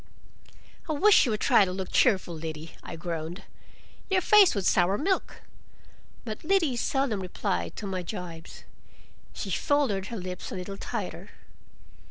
"I wish you would try to look cheerful, Liddy," I groaned, "your face would sour milk." But Liddy seldom replied to my gibes. She folded her lips a little tighter.